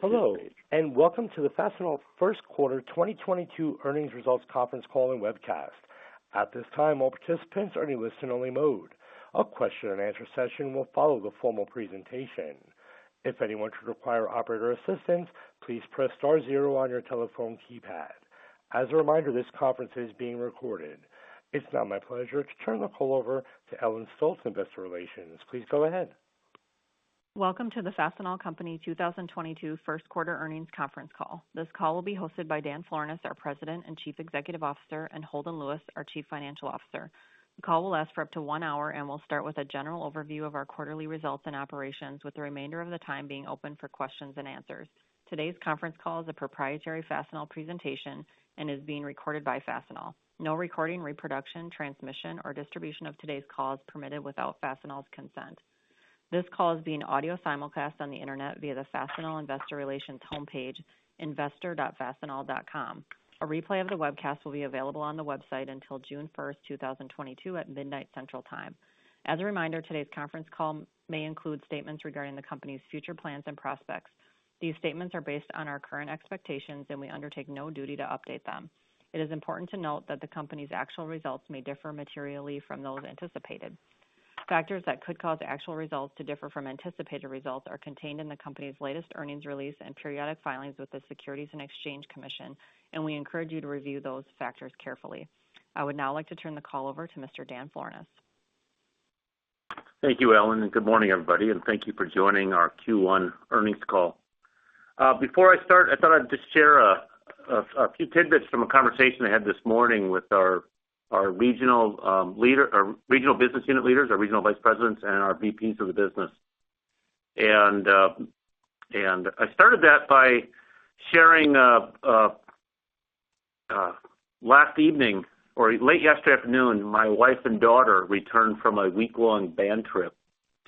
Hello and welcome to the Fastenal Q1 2022 Earnings Results Conference Call and Webcast. At this time, all participants are in listen-only mode. A question and answer session will follow the formal presentation. If anyone should require operator assistance, please press star zero on your telephone keypad. As a reminder, this conference is being recorded. It's now my pleasure to turn the call over to Ellen Stolts, Investor Relations. Please go ahead. Welcome to the Fastenal Company 2022 Q1 Earnings Conference Call. This call will be hosted by Dan Florness, our President and Chief Executive Officer, and Holden Lewis, our Chief Financial Officer. The call will last for up to one hour and will start with a general overview of our quarterly results and operations with the remainder of the time being open for questions and answers. Today's conference call is a proprietary Fastenal presentation and is being recorded by Fastenal. No recording, reproduction, transmission or distribution of today's call is permitted without Fastenal's consent. This call is being audio simulcast on the internet via the Fastenal Investor Relations homepage, investor.fastenal.com. A replay of the webcast will be available on the website until June 1, 2022 at midnight Central Time. As a reminder, today's conference call may include statements regarding the company's future plans and prospects. These statements are based on our current expectations, and we undertake no duty to update them. It is important to note that the company's actual results may differ materially from those anticipated. Factors that could cause actual results to differ from anticipated results are contained in the company's latest earnings release and periodic filings with the Securities and Exchange Commission and we encourage you to review those factors carefully. I would now like to turn the call over to Mr. Dan Florness. Thank you, Ellen and good morning, everybody, and thank you for joining our Q1 earnings call. Before I start, I thought I'd just share a few tidbits from a conversation I had this morning with our regional business unit leaders, our regional vice presidents and our VPs of the business. I started that by sharing last evening or late yesterday afternoon, my wife and daughter returned from a week-long band trip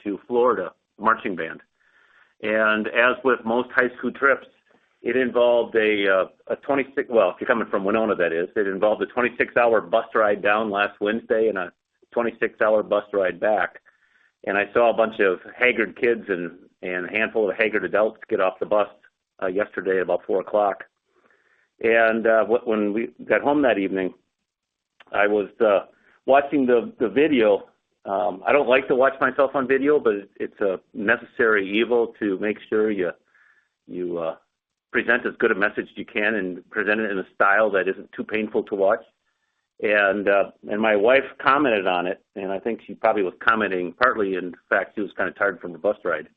to Florida, marching band. As with most high school trips, it involved a 26 hour bus ride down last Wednesday, well, if you're coming from Winona, that is, and a 26 hour bus ride back. I saw a bunch of haggard kids and a handful of haggard adults get off the bus yesterday about 4' o clock. When we got home that evening, I was watching the video. I don't like to watch myself on video, but it's a necessary evil to make sure you present as good a message as you can and present it in a style that isn't too painful to watch and my wife commented on it, and I think she probably was commenting partly in the fact she was kinda tired from the bus ride.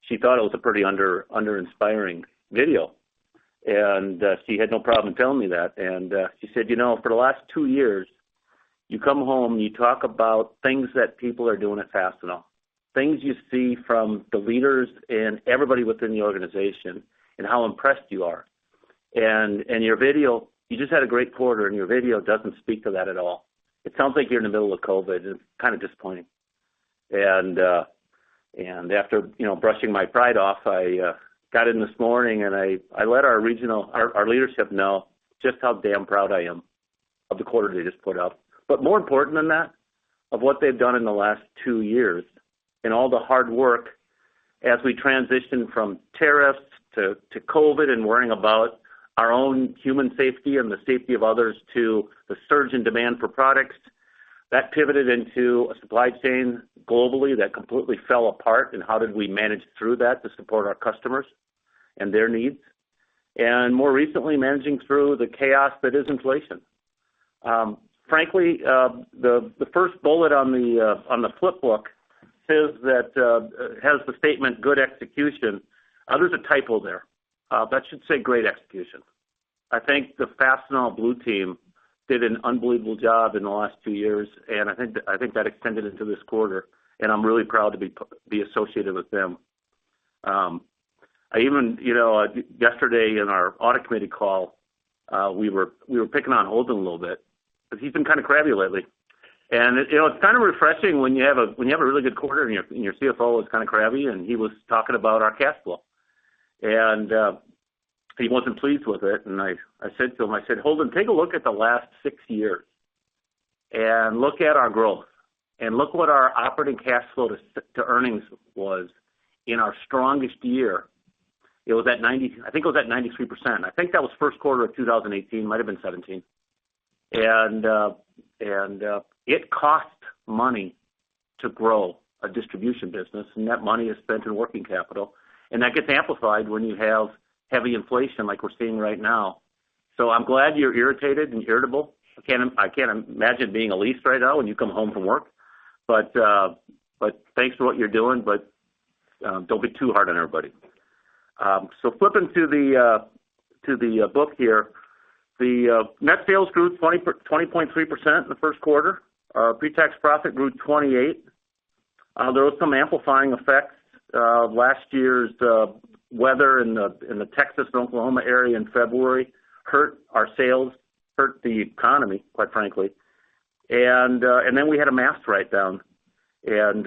She thought it was a pretty uninspiring video and she had no problem telling me that and she said, "You know, for the last 2 years, you come home, you talk about things that people are doing at Fastenal, things you see from the leaders and everybody within the organization and how impressed you are. And, your video, you just had a great quarter and your video doesn't speak to that at all. It sounds like you're in the middle of COVID and kind of disappointing." And after you know, brushing my pride off, I got in this morning and I let our leadership know just how damn proud I am of the quarter they just put up. But more important than that, of what they've done in the last 2 years and all the hard work as we transition from tariffs to COVID and worrying about our own human safety and the safety of others to the surge in demand for products. That pivoted into a supply chain globally that completely fell apart and how did we manage through that to support our customers and their needs. More recently, managing through the chaos that is inflation. Frankly, the first bullet on the flip book says that has the statement good execution and there's a typo there. That should say great execution. I think the Fastenal blue team did an unbelievable job in the last 2 years, and I think that extended into this quarter and I'm really proud to be associated with them. I even, you know, yesterday in our audit committee call, we were picking on Holden a little bit because he's been kind of crabby lately. You know, it's kind of refreshing when you have a really good quarter and your CFO is kind of crabby, and he was talking about our cash flow and he wasn't pleased with it. I said to him, I said, "Holden, take a look at the last 6 years and look at our growth and look what our operating cash flow to earnings was in our strongest year." It was at 93%. I think that was Q1 of 2018, might have been 2017 and itt costs money to grow a distribution business, and that money is spent in working capital. That gets amplified when you have heavy inflation like we're seeing right now. I'm glad you're irritated and irritable. I can't imagine being Elise right now when you come home from work but thanks for what you're doing, but don't be too hard on everybody. So, flipping to the book here. The net sales grew 20.3% in the Q1. Our pre-tax profit grew 28%. There was some amplifying effects of last year's weather in the Texas and Oklahoma area in February hurt our sales, hurt the economy, quite frankly. Then we had a mask write-down and,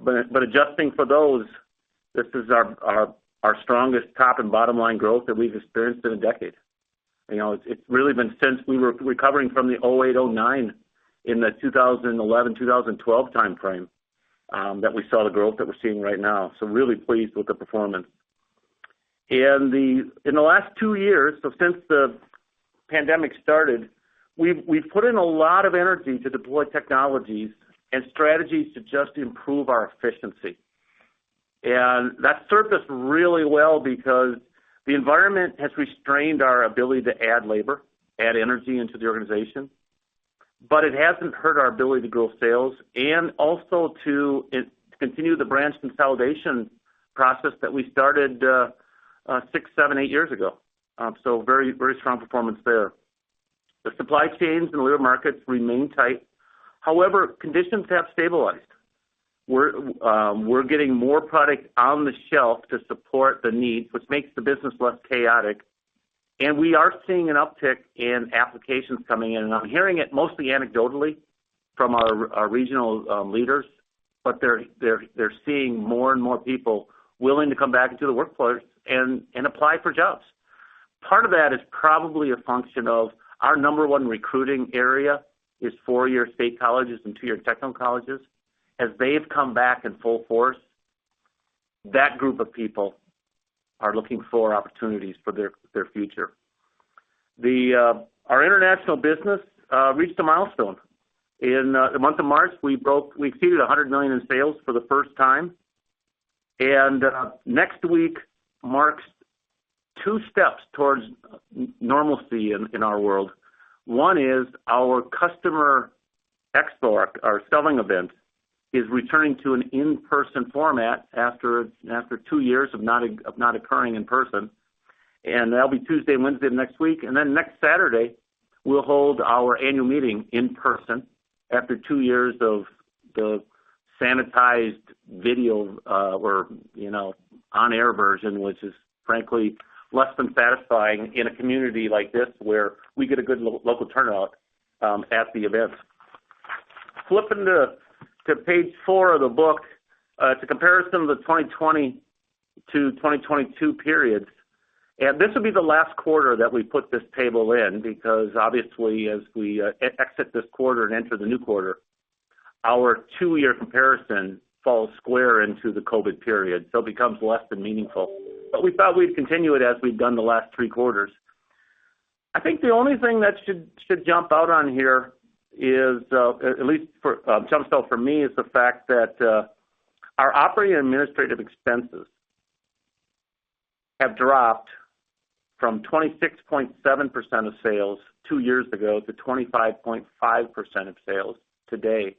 but adjusting for those, this is our strongest top and bottom line growth that we've experienced in a decade. You know, it's really been since we were recovering from the 08, 09 in the 2011, 2012 time frame that we saw the growth that we're seeing right now so really pleased with the performance. In the last 2 years, so since the pandemic started, we've put in a lot of energy to deploy technologies and strategies to just improve our efficiency and that served us really well because the environment has restrained our ability to add labor, add energy into the organization but it hasn't hurt our ability to grow sales and also to continue the branch consolidation process that we started 6, 7, 8 years ago. So very strong performance there. The supply chains and labor markets remain tight. However, conditions have stabilized. We're getting more product on the shelf to support the needs, which makes the business less chaotic and we are seeing an uptick in applications coming in. I'm hearing it mostly anecdotally from our regional leaders, but they're seeing more and more people willing to come back into the workforce and apply for jobs. Part of that is probably a function of our number one recruiting area is 4 year state colleges and 2 year technical colleges. As they've come back in full force, that group of people are looking for opportunities for their future. Our international business reached a milestone. In the month of March, we exceeded $100 million in sales for the first time and next week marks 2 steps towards normalcy in our world. One is our customer expo, our selling event, is returning to an in-person format after 2 years of not occurring in person and that'll be Tuesday and Wednesday of next week. Next Saturday, we'll hold our annual meeting in person after 2 years of the sanitized video or, you know, on-air version, which is frankly less than satisfying in a community like this where we get a good local turnout at the events. Flipping to page 4 of the book, it's a comparison of the 2020 to 2022 periods. This will be the last quarter that we put this table in because obviously, as we exit this quarter and enter the new quarter, our 2 year comparison falls square into the COVID period, so it becomes less than meaningful but we thought we'd continue it as we've done the last 3 quarters. I think the only thing that should jump out on here is at least for me, jumps out for me, is the fact that our operating and administrative expenses have dropped from 26.7% of sales 2 years ago to 25.5% of sales today,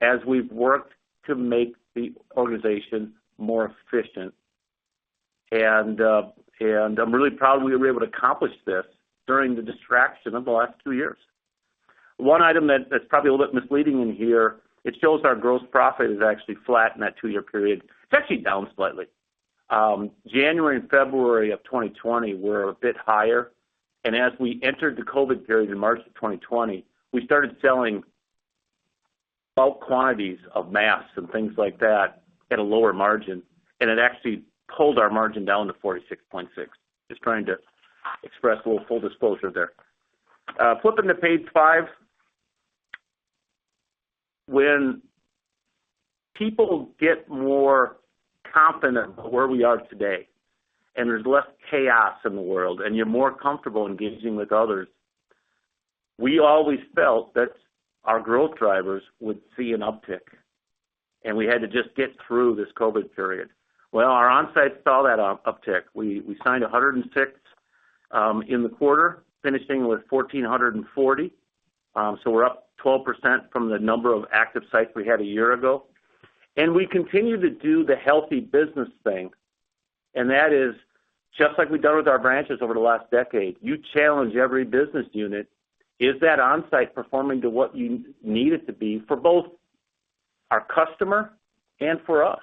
as we've worked to make the organization more efficient and I'm really proud we were able to accomplish this during the distraction of the last 2 years. One item that's probably a little bit misleading in here, it shows our gross profit is actually flat in that 2 year period, it's actually down slightly. January and February of 2020 were a bit higher and as we entered the COVID period in March of 2020, we started selling bulk quantities of masks and things like that at a lower margin. It actually pulled our margin down to 46.6%, just trying to express a little full disclosure there. Flipping to page 5. When people get more confident about where we are today and there's less chaos in the world, and you're more comfortable engaging with others, we always felt that our growth drivers would see an uptick and we had to just get through this COVID period. Well, our Onsite saw that uptick. We signed 106 in the quarter, finishing with 1,440. So we're up 12% from the number of active sites we had a year ago and we continue to do the healthy business thing and that is just like we've done with our branches over the last decade. You challenge every business unit, is that Onsite performing to what you need it to be for both our customer and for us?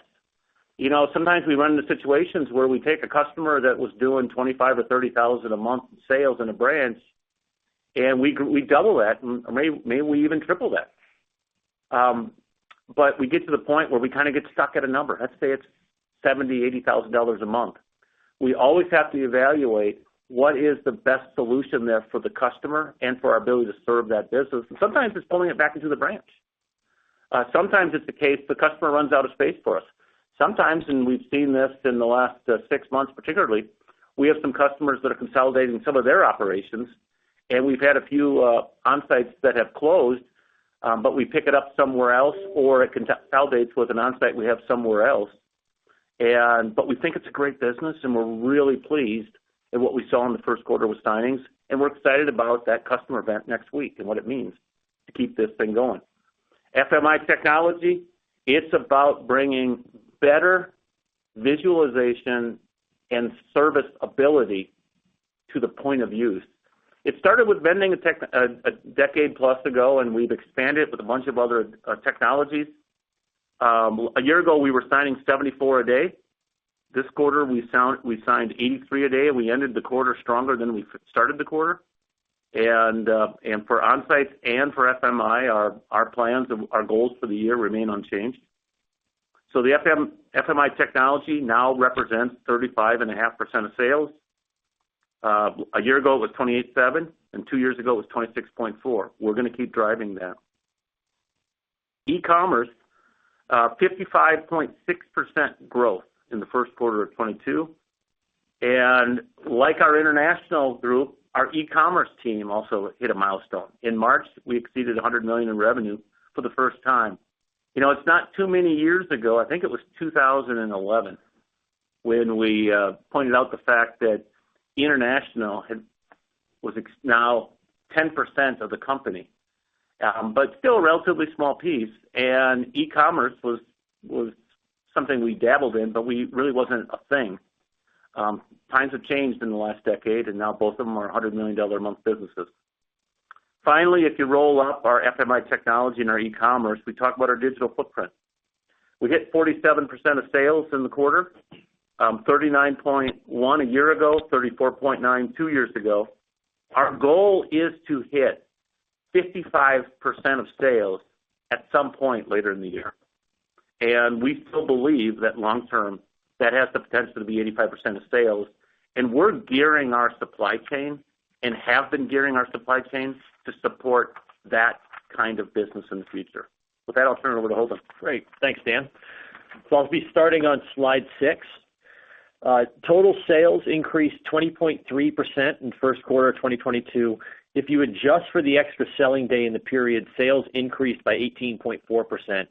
You know, sometimes we run into situations where we take a customer that was doing $25,000 or 30,000 a month in sales in a branch, and we double that, and maybe we even triple that. But we get to the point where we kinda get stuck at a number. Let's say it's $70,000-80,000 a month. We always have to evaluate what is the best solution there for the customer and for our ability to serve that business but sometimes it's pulling it back into the branch. Sometimes it's the case the customer runs out of space for us. Sometimes we've seen this in the last 6 months particularly. We have some customers that are consolidating some of their operations and we've had a few Onsites that have closed, but we pick it up somewhere else or it consolidates with an Onsite we have somewhere else. We think it's a great business, and we're really pleased at what we saw in the Q1 with signings, and we're excited about that customer event next week and what it means to keep this thing going. FMI technology, it's about bringing better visualization and serviceability to the point of use. It started with vending a decade plus ago, and we've expanded with a bunch of other technologies. A year ago, we were signing 74 a day. This quarter, we signed 83 a day, and we ended the quarter stronger than we started the quarter. For Onsite and for FMI, our plans and our goals for the year remain unchanged. FMI technology now represents 35.5% of sales. A year ago, it was 28.7% and 2 years ago, it was 26.4%, we're gonna keep driving that. E-commerce, 55.6% growth in the Q1 of 22 and like our international group, our e-commerce team also hit a milestone. In March, we exceeded $100 million in revenue for the first time. You know, it's not too many years ago, I think it was 2011 when we pointed out the fact that international now 10% of the company. Still a relatively small piece and e-commerce was something we dabbled in, but really wasn't a thing. Times have changed in the last decade and now both of them are $100 million a month businesses. Finally, if you roll up our FMI technology and our e-commerce, we talk about our digital footprint. We hit 47% of sales in the quarter, 39.1% a year ago, 34.9% 2 years ago. Our goal is to hit 55% of sales at some point later in the year. We still believe that long term, that has the potential to be 85% of sales and we're gearing our supply chain and have been gearing our supply chain to support that kind of business in the future. With that, I'll turn it over to Holden. Great. Thanks, Dan. I'll be starting on slide 6. Total sales increased 20.3% in the Q1 of 2022. If you adjust for the extra selling day in the period, sales increased by 18.4%.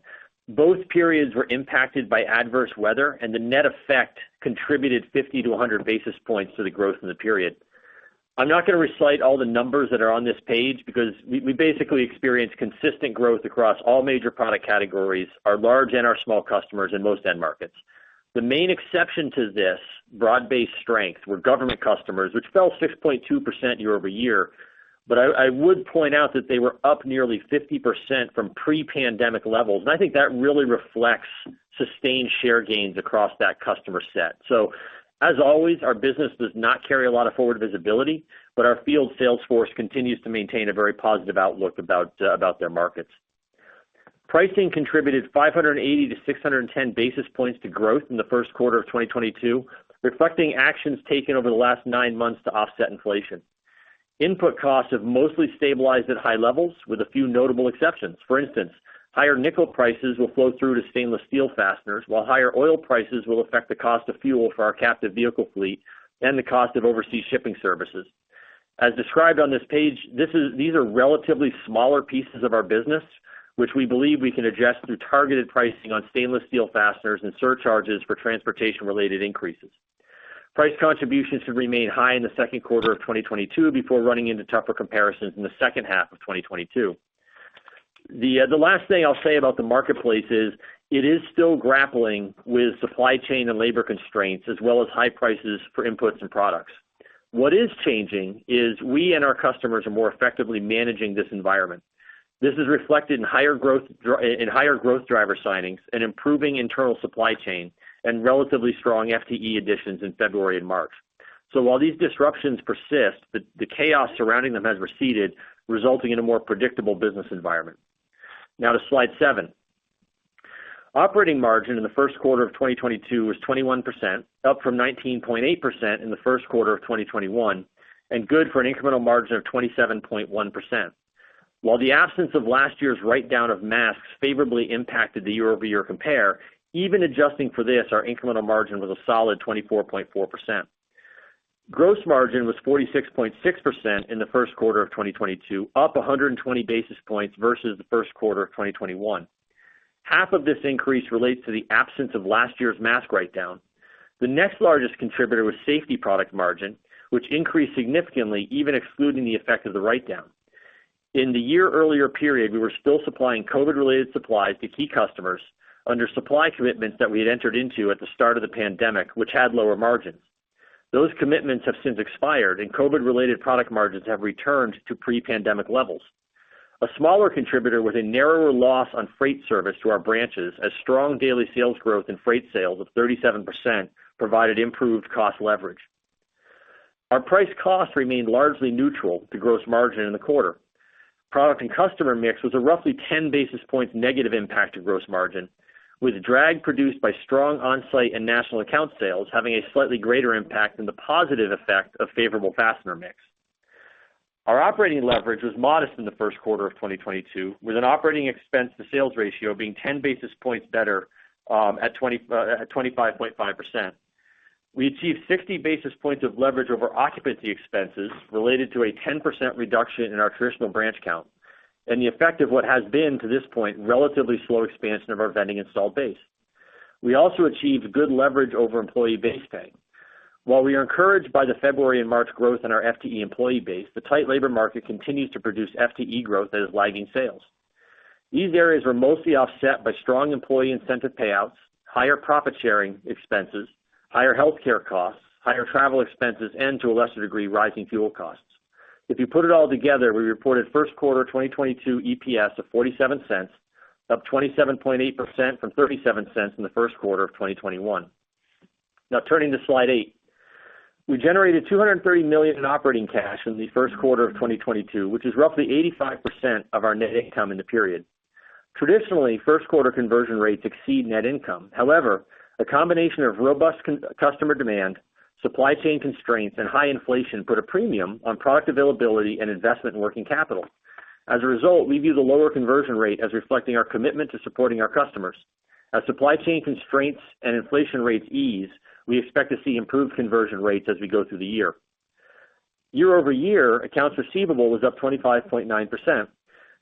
Both periods were impacted by adverse weather and the net effect contributed 50-100 basis points to the growth in the period. I'm not gonna recite all the numbers that are on this page because we basically experienced consistent growth across all major product categories, our large and our small customers in most end markets. The main exception to this broad-based strength were government customers, which fell 6.2% year-over-year but I would point out that they were up nearly 50% from pre-pandemic levels and I think that really reflects sustained share gains across that customer set. As always, our business does not carry a lot of forward visibility, but our field sales force continues to maintain a very positive outlook about their markets. Pricing contributed 580-610 basis points to growth in the Q1 of 2022, reflecting actions taken over the last nine months to offset inflation. Input costs have mostly stabilized at high levels with a few notable exceptions. For instance, higher nickel prices will flow through to stainless steel fasteners, while higher oil prices will affect the cost of fuel for our captive vehicle fleet and the cost of overseas shipping services. As described on this page, these are relatively smaller pieces of our business, which we believe we can adjust through targeted pricing on stainless steel fasteners and surcharges for transportation-related increases. Price contributions should remain high in the Q2 of 2022 before running into tougher comparisons in the second half of 2022. The last thing I'll say about the marketplace is it is still grappling with supply chain and labor constraints, as well as high prices for inputs and products. What is changing is we and our customers are more effectively managing this environment. This is reflected in higher growth driver signings and improving internal supply chain and relatively strong FTE additions in February and March so while these disruptions persist, the chaos surrounding them has receded, resulting in a more predictable business environment. Now to slide seven. Operating margin in the Q1 2022 was 21%, up from 19.8% in the Q1 of 2021 and good for an incremental margin of 27.1%. While the absence of last year's write-down of masks favorably impacted the year-over-year compare, even adjusting for this, our incremental margin was a solid 24.4%. Gross margin was 46.6% in the Q1 of 2022, up 120 basis points versus the Q1 of 2021. Half of this increase relates to the absence of last year's mask write-down. The next largest contributor was safety product margin, which increased significantly even excluding the effect of the write-down. In the year earlier period, we were still supplying COVID-related supplies to key customers under supply commitments that we had entered into at the start of the pandemic, which had lower margins. Those commitments have since expired and COVID-related product margins have returned to pre-pandemic levels. A smaller contributor was a narrower loss on freight service to our branches as strong daily sales growth and freight sales of 37% provided improved cost leverage. Our price cost remained largely neutral to gross margin in the quarter. Product and customer mix was a roughly 10 basis points negative impact to gross margin, with drag produced by strong Onsite and national account sales having a slightly greater impact than the positive effect of favorable fastener mix. Our operating leverage was modest in the Q1 of 2022, with an operating expense to sales ratio being 10 basis points better at 25.5%. We achieved 60 basis points of leverage over occupancy expenses related to a 10% reduction in our traditional branch count and the effect of what has been, to this point, relatively slow expansion of our vending installed base. We also achieved good leverage over employee base pay. While we are encouraged by the February and March growth in our FTE employee base, the tight labor market continues to produce FTE growth that is lagging sales. These areas were mostly offset by strong employee incentive payouts, higher profit sharing expenses, higher healthcare costs, higher travel expenses, and to a lesser degree, rising fuel costs. If you put it all together, we reported Q1 2022 EPS of $0.47, up 27.8% from $0.37 in the Q1 of 2021. Now turning to slide eight. We generated $230 million in operating cash in the Q1 of 2022, which is roughly 85% of our net income in the period. Traditionally, Q1 conversion rates exceed net income. However, the combination of robust customer demand, supply chain constraints, and high inflation put a premium on product availability and investment in working capital. As a result, we view the lower conversion rate as reflecting our commitment to supporting our customers. As supply chain constraints and inflation rates ease, we expect to see improved conversion rates as we go through the year. Year-over-year, accounts receivable was up 25.9%.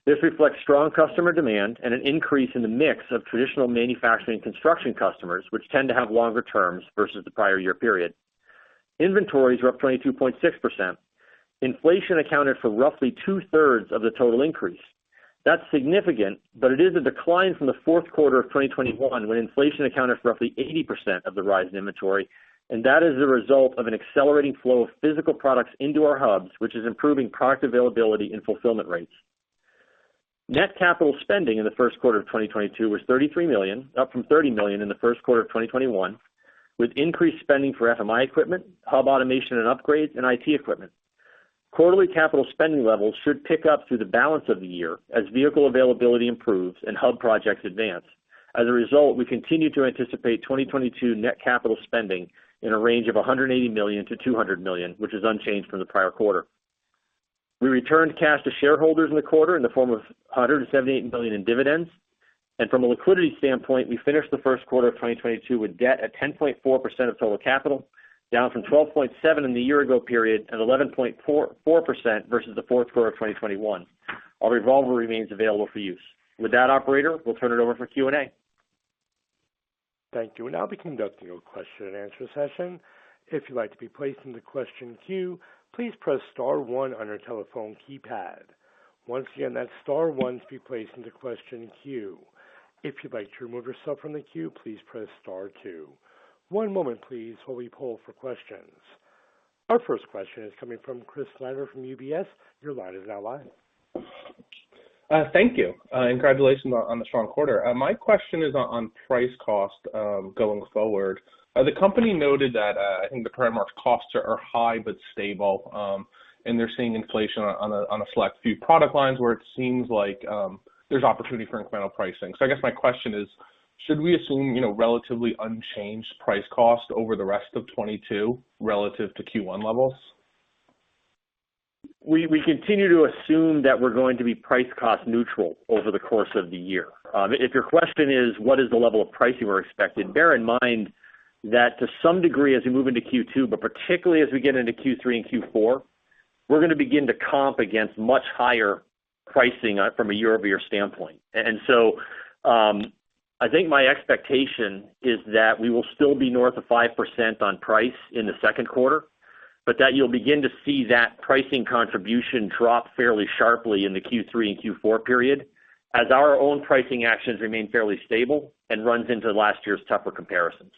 This reflects strong customer demand and an increase in the mix of traditional manufacturing construction customers, which tend to have longer terms versus the prior year period, inventories were up 22.6%. Inflation accounted for roughly 2/3 of the total increase. That's significant, but it is a decline from the Q4 of 2021, when inflation accounted for roughly 80% of the rise in inventory and that is the result of an accelerating flow of physical products into our hubs, which is improving product availability and fulfillment rates. Net capital spending in the Q1 of 2022 was $33 million, up from $30 million in the Q1 of 2021, with increased spending for FMI equipment, hub automation and upgrades and IT equipment. Quarterly capital spending levels should pick up through the balance of the year as vehicle availability improves and hub projects advance. As a result, we continue to anticipate 2022 net capital spending in a range of $180 million-200 million, which is unchanged from the prior quarter. We returned cash to shareholders in the quarter in the form of $178 million in dividends and from a liquidity standpoint, we finished the Q1of 2022 with debt at 10.4% of total capital, down from 12.7% in the year ago period and 11.4% versus the Q4 of 2021. Our revolver remains available for use. With that, operator, we'll turn it over for Q&A. Thank you. We'll now be conducting a question-and-answer session. If you'd like to be placed in the question queue, please press star one on your telephone keypad. Once again, that's star one to be placed into question queue. If you'd like to remove yourself from the queue, please press star two. One moment, please, while we poll for questions. Our first question is coming from Chris Snyder from UBS. Your line is now live. Thank you. Congratulations on the strong quarter. My question is on price cost going forward. The company noted that I think the current mark costs are high but stable and they're seeing inflation on a select few product lines where it seems like there's opportunity for incremental pricing. I guess my question is, should we assume, you know, relatively unchanged price cost over the rest of 2022 relative to Q1 levels? We continue to assume that we're going to be price cost neutral over the course of the year. If your question is, what is the level of pricing we're expecting? Bear in mind that to some degree, as we move into Q2, but particularly as we get into Q3 and Q4, we're gonna begin to comp against much higher pricing from a year-over-year standpoint. I think my expectation is that we will still be north of 5% on price in the second quarter, but that you'll begin to see that pricing contribution drop fairly sharply in the Q3 and Q4 period as our own pricing actions remain fairly stable and runs into last year's tougher comparisons.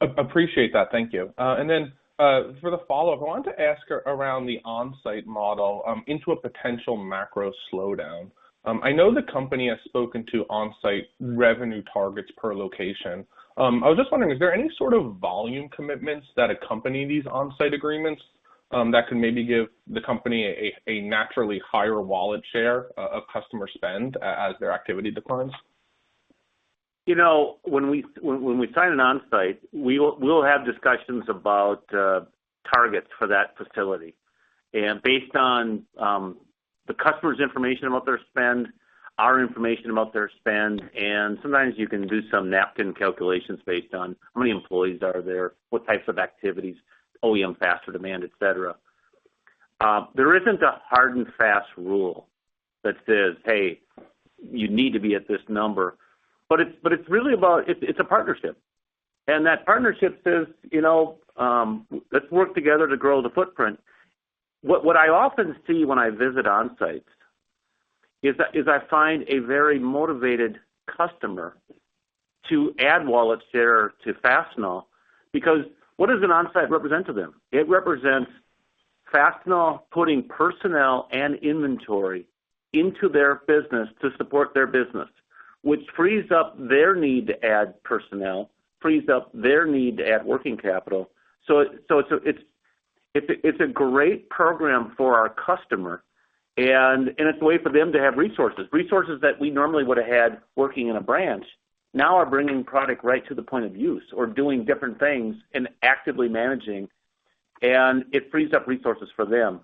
Appreciate that. Thank you, and then for the follow-up, I wanted to ask about the Onsite model into a potential macro slowdown. I know the company has spoken to Onsite revenue targets per location. I was just wondering, is there any sort of volume commitments that accompany these Onsite agreements that can maybe give the company a naturally higher wallet share of customer spend as their activity declines? You know, when we sign an Onsite, we will have discussions about targets for that facility. Based on the customer's information about their spend, our information about their spend and sometimes you can do some napkin calculations based on how many employees are there, what types of activities, OEM fastener demand, et cetera. There isn't a hard and fast rule that says, "Hey, you need to be at this number." But it's really about, it's a partnership. That partnership says, you know, let's work together to grow the footprint. What I often see when I visit Onsites is that I find a very motivated customer to add wallet share to Fastenal because what does an Onsite represent to them? It represents Fastenal putting personnel and inventory into their business to support their business, which frees up their need to add personnel, frees up their need to add working capital so it's a great program for our customer and it's a way for them to have resources. Resources that we normally would have had working in a branch now are bringing product right to the point of use or doing different things and actively managing and it frees up resources for them.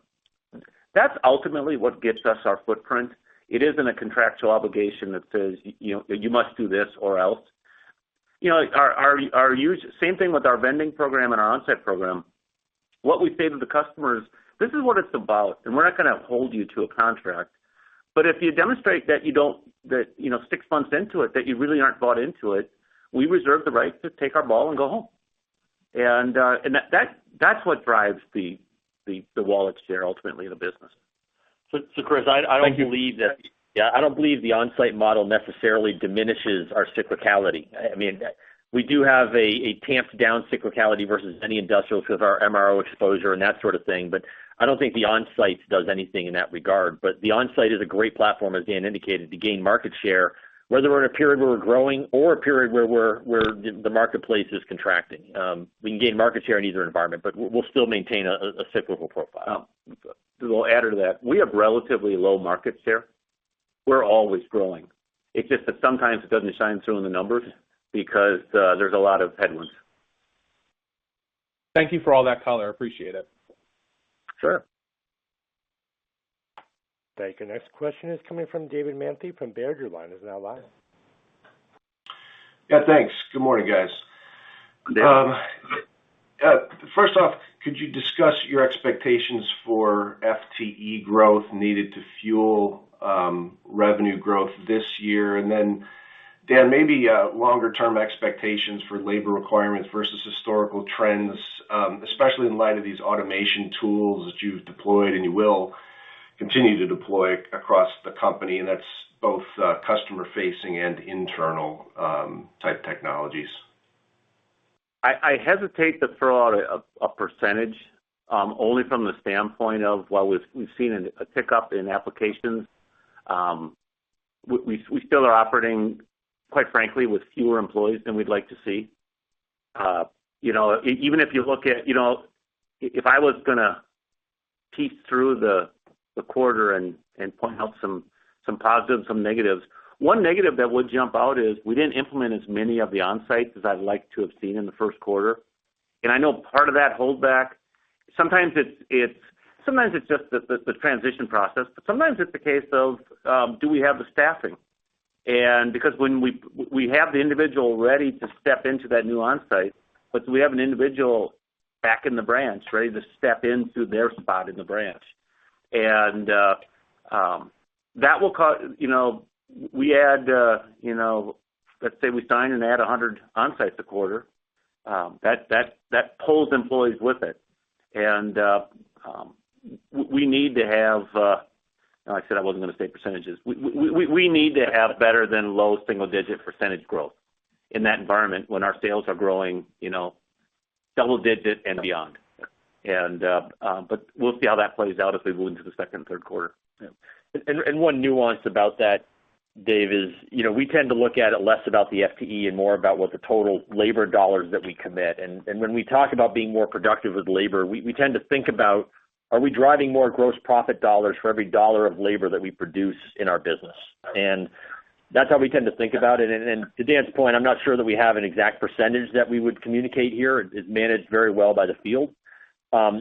That's ultimately what gets us our footprint. It isn't a contractual obligation that says, you know, you must do this or else, you know, our Onsite. Same thing with our vending program and our Onsite program. What we say to the customer is, "This is what it's about, and we're not gonna hold you to a contract. If you demonstrate that, you know, six months into it, that you really aren't bought into it, we reserve the right to take our ball and go home and that's what drives the wallet share ultimately in the business. Chris, I don't believe the Onsite model necessarily diminishes our cyclicality. I mean, we do have tamped down cyclicality versus any industrials with our MRO exposure and that sort of thing, but I don't think the Onsite does anything in that regard but the Onsite is a great platform, as Dan indicated, to gain market share, whether we're in a period where we're growing or a period where the marketplace is contracting. We can gain market share in either environment, but we'll still maintain a cyclical profile. We'll add to that. We have relatively low market share. We're always growing. It's just that sometimes it doesn't shine through in the numbers because there's a lot of headwinds. Thank you for all that color. I appreciate it. Sure. Thank you. Next question is coming from David Manthey from Baird. Your line is now live. Yeah, thanks. Good morning, guys. First off, could you discuss your expectations for FTE growth needed to fuel revenue growth this year? Dan, maybe longer term expectations for labor requirements versus historical trends, especially in light of these automation tools that you've deployed and you will continue to deploy across the company and that's both customer facing and internal type technologies. I hesitate to throw out a percentage only from the standpoint of while we've seen a tick up in applications, we still are operating, quite frankly, with fewer employees than we'd like to see. You know, even if you look at, you know, if I was gonna tease through the quarter and point out some positives, some negatives, one negative that would jump out is we didn't implement as many of the Onsites as I'd like to have seen in the Q1 and I know part of that hold back, sometimes it's just the transition process, but sometimes it's a case of, do we have the staffing? Because when we have the individual ready to step into that new Onsite, but do we have an individual back in the branch ready to step into their spot in the branch? That will, you know, we add, you know, let's say we sign and add 100 Onsites a quarter, that pulls employees with it. I said I wasn't gonna say percentages, we need to have better than low single digit percentage growth in that environment when our sales are growing, you know, double digit and beyond. We'll see how that plays out as we move into the second and Q3. Yeah. One nuance about that, Dave, is, you know, we tend to look at it less about the FTE and more about what the total labor dollars that we commit and when we talk about being more productive with labor, we tend to think about, are we driving more gross profit dollars for every dollar of labor that we produce in our business. That's how we tend to think about it. To Dan's point, I'm not sure that we have an exact percentage that we would communicate here, it's managed very well by the field.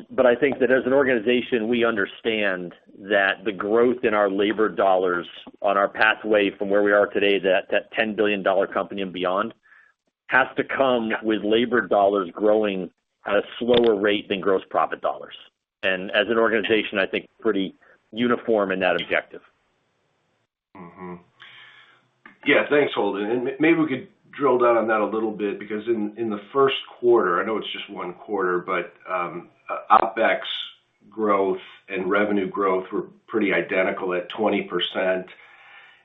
But I think that as an organization, we understand that the growth in our labor dollars on our pathway from where we are today, that 10 billion dollar company and beyond, has to come with labor dollars growing at a slower rate than gross profit dollars and as an organization, I think pretty uniform in that objective. Mm-hmm. Yeah. Thanks, Holden. Maybe we could drill down on that a little bit because in the Q1, I know it's just one quarter, but OpEx growth and revenue growth were pretty identical at 20%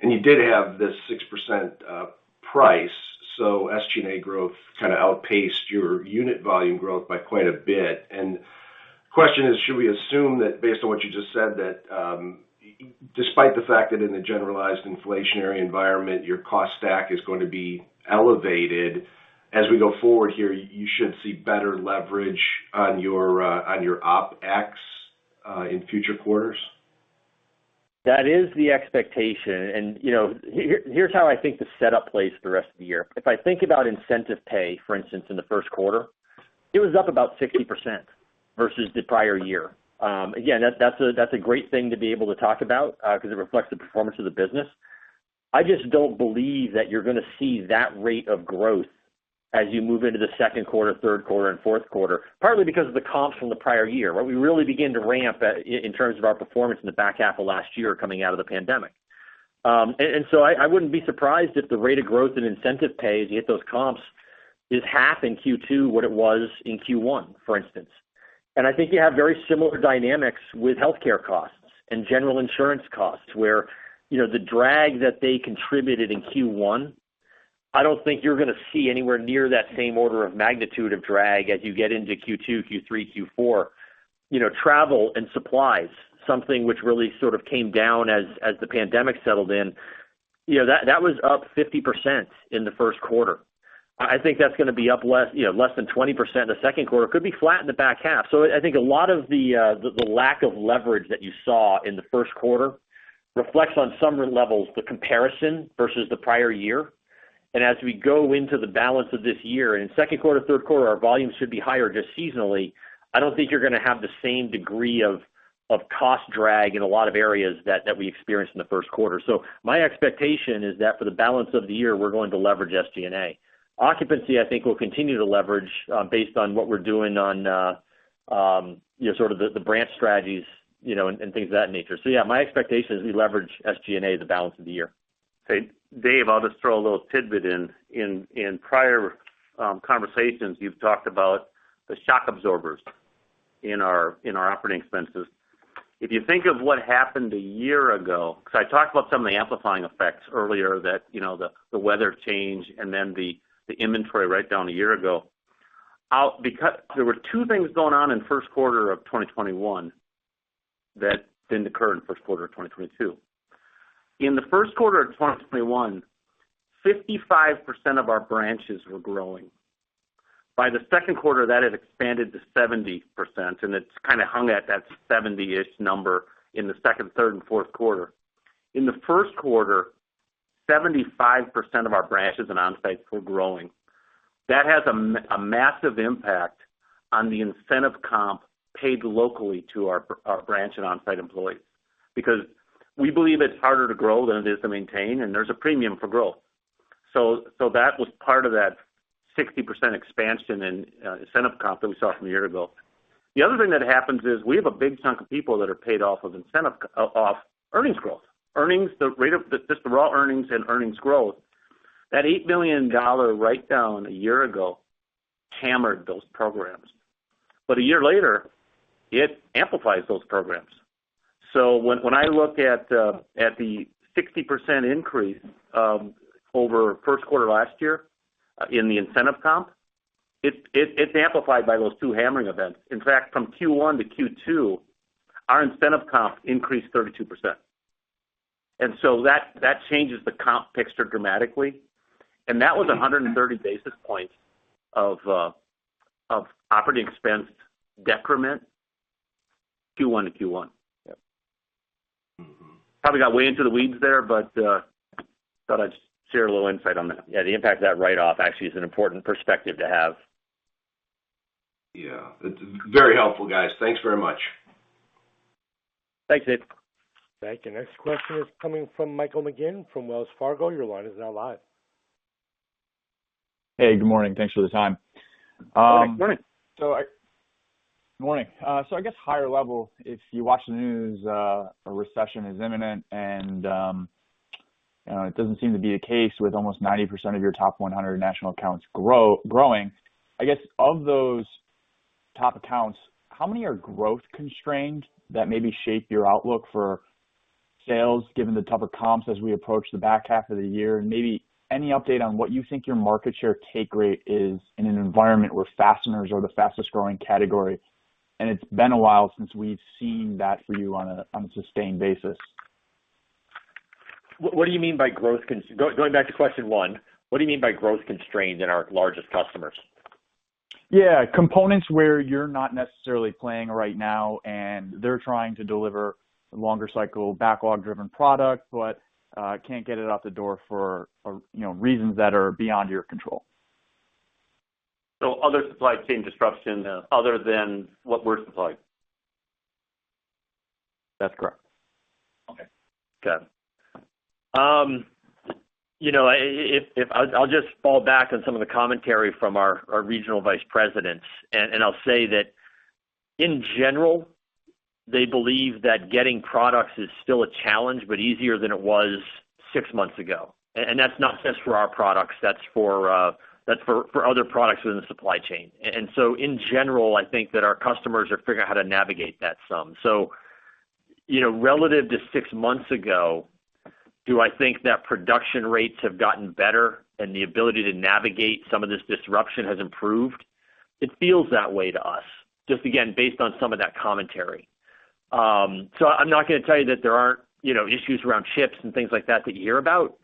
and you did have this 6% price. So SG&A growth kinda outpaced your unit volume growth by quite a bit. Question is, should we assume that based on what you just said, that despite the fact that in a generalized inflationary environment, your cost stack is going to be elevated as we go forward here, you should see better leverage on your OpEx in future quarters? That is the expectation and, you know, here's how I think the setup plays for the rest of the year. If I think about incentive pay, for instance, in the Q1, it was up about 60% versus the prior year. Again, that's a great thing to be able to talk about, 'cause it reflects the performance of the business. I just don't believe that you're gonna see that rate of growth as you move into the Q2, Q3, and Q4, partly because of the comps from the prior year, where we really begin to ramp in terms of our performance in the back half of last year coming out of the pandemic. I wouldn't be surprised if the rate of growth in incentive pay as you hit those comps is half in Q2 what it was in Q1, for instance. I think you have very similar dynamics with healthcare costs and general insurance costs, where, you know, the drag that they contributed in Q1, I don't think you're gonna see anywhere near that same order of magnitude of drag as you get into Q2, Q3, Q4. You know, travel and supplies, something which really sort of came down as the pandemic settled in, you know, that was up 50% in the Q1. I think that's gonna be up less, you know, less than 20% in the Q2, could be flat in the back half. I think a lot of the lack of leverage that you saw in the Q1 reflects on some levels the comparison versus the prior year and as we go into the balance of this year, in Q2, Q3, our volumes should be higher just seasonally, I don't think you're gonna have the same degree of cost drag in a lot of areas that we experienced in the Q1. My expectation is that for the balance of the year, we're going to leverage SG&A. Occupancy, I think, will continue to leverage, based on what we're doing on, you know, sort of the branch strategies, you know, and things of that nature. Yeah, my expectation is we leverage SG&A the balance of the year. Hey, Dave, I'll just throw a little tidbit in. In prior conversations, you've talked about the shock absorbers in our operating expenses. If you think of what happened a year ago, because I talked about some of the amplifying effects earlier that the weather change and then the inventory write down a year ago. Because there were 2 things going on in Q1 of 2021 that didn't occur in for Q1 of 2022. In the Q1 of 2021, 55% of our branches were growing. By the Q2, that had expanded to 70%, and it's kinda hung at that 70-ish number in the second, third and Q4. In the Q1, 75% of our branches and onsites were growing. That has a massive impact on the incentive comp paid locally to our branch and Onsite employees, because we believe it's harder to grow than it is to maintain and there's a premium for growth so that was part of that 60% expansion and incentive comp that we saw from a year ago. The other thing that happens is we have a big chunk of people that are paid off of incentive comp, off earnings growth. Earnings, the rate of just the raw earnings and earnings growth. That $8 million write down a year ago hammered those programs but a year later, it amplifies those programs. When I look at the 60% increase over Q1 last year in the incentive comp, it's amplified by those 2 hammering events. In fact, from Q1 to Q2, our incentive comp increased 32%. That changes the comp picture dramatically and that was 130 basis points of operating expense decrement Q1-Q1. Probably got way into the weeds there, but thought I'd share a little insight on that. Yeah, the impact of that write-off actually is an important perspective to have. Yeah. Very helpful, guys. Thanks very much. Thanks, Dave. Thank you. Next question is coming from Michael McGinn from Wells Fargo. Your line is now live. Hey, good morning. Thanks for the time. Good morning. Morning. I guess higher level, if you watch the news, a recession is imminent and it doesn't seem to be the case with almost 90% of your top 100 national accounts growing. I guess of those top accounts, how many are growth constrained that maybe shape your outlook for sales, given the tougher comps as we approach the back half of the year? Maybe any update on what you think your market share take rate is in an environment where fasteners are the fastest growing category, and it's been a while since we've seen that for you on a sustained basis. What do you mean by growth constrained, going back to question one, what do you mean by growth constrained in our largest customers? Yeah. Components where you're not necessarily playing right now and they're trying to deliver longer cycle backlog-driven product, but can't get it out the door for you know, reasons that are beyond your control. Other supply chain disruption other than what we're supplying? That's correct. Okay. Got it. You know, I'll just fall back on some of the commentary from our regional vice presidents and I'll say that in general, they believe that getting products is still a challenge, but easier than it was 6 months ago and that's not just for our products, that's for other products within the supply chain. In general, I think that our customers are figuring out how to navigate that some. You know, relative to 6 months ago, do I think that production rates have gotten better and the ability to navigate some of this disruption has improved? It feels that way to us, just again, based on some of that commentary so I'm not gonna tell you that there aren't, you know, issues around chips and things like that that you hear about.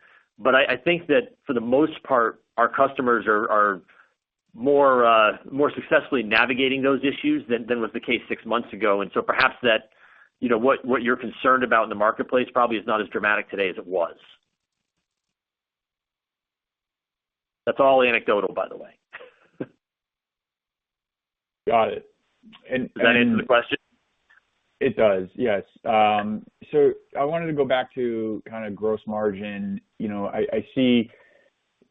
I think that for the most part, our customers are more successfully navigating those issues than was the case 6 months ago. Perhaps that, you know, what you're concerned about in the marketplace probably is not as dramatic today as it was. That's all anecdotal, by the way. Got it. Does that answer the question? It does, yes. I wanted to go back to kinda gross margin, you know, I see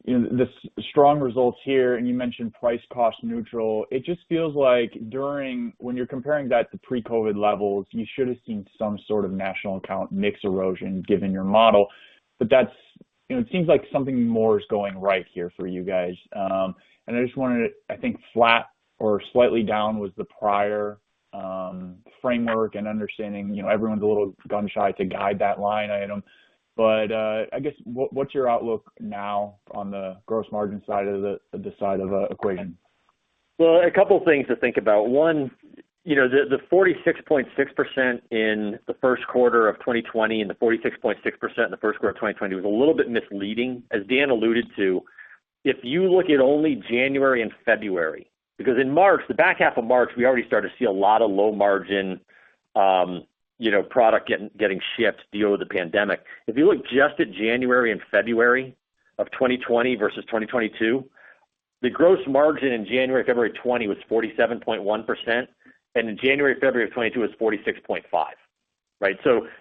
the strong results here, and you mentioned price cost neutral. It just feels like during when you're comparing that to pre-COVID levels, you should have seen some sort of national account mix erosion given your model. That's, you know, it seems like something more is going right here for you guys. I just wanted to, I think flat or slightly down was the prior framework and understanding, you know, everyone's a little gun shy to guide that line item. I guess what's your outlook now on the gross margin side of this side of the equation? Well, a couple of things to think about. One, you know, the 46.6% in the Q1 of 2020 and the 46.6% in the Q1 of 2020 was a little bit misleading. As Dan alluded to, if you look at only January and February, because in March, the back half of March, we already started to see a lot of low margin, you know, product getting shipped to deal with the pandemic. If you look just at January and February of 2020 versus 2022, the gross margin in January, February of 2020 was 47.1%, and in January, February of 2022, it was 46.5%. Right?